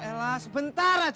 elah sebentar aja